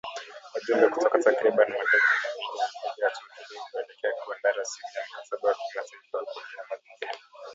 Wajumbe kutoka takribani mataifa mia mbili wamepiga hatua kidogo kuelekea kuandaa rasimu ya mkataba wa kimataifa wa kulinda mazingira